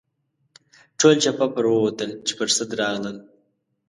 ټول چپه پر ووتل چې پر سد راغلل.